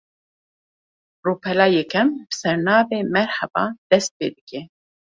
Rûpela yekem, bi sernavê "Merhaba" dest pê dike